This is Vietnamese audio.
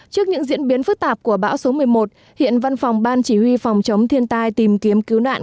trước những diễn biến phức tạp của bão số một mươi một hiện văn phòng ban chỉ huy phòng chống thiên tai tìm kiếm cứu nạn